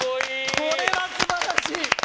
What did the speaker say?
これはすばらしい！